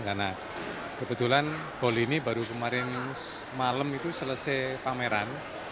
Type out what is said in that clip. karena kebetulan hall ini baru kemarin malam itu selesai pameran